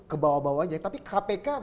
kebawa bawanya tapi kpk